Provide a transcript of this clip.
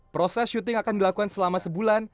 proses syuting akan dilakukan selama sebulan